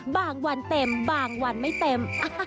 วันเต็มบางวันไม่เต็ม